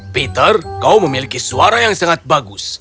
peter kau memiliki suara yang sangat bagus